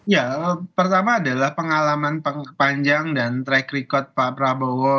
ya pertama adalah pengalaman panjang dan track record pak prabowo